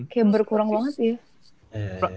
kayak berkurang banget ya